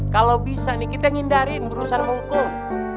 kalo bisa nih kita ngindarin berurusan sama hukum